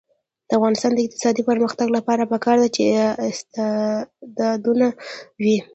د افغانستان د اقتصادي پرمختګ لپاره پکار ده چې استعدادونه وي.